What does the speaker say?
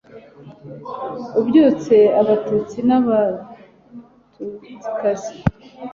ubyutse abatutsi n,abatutsikazi